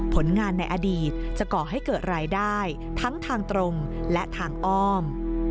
ผลงานในอดีตจะก่อให้เกิดรายได้ทั้งทางตรงและทางอ้อม